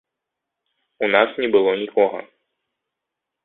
У нас не было нікога.